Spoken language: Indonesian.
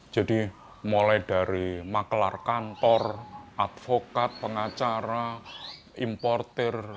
jadi mulai dari makelar kantor advokat pengacara importer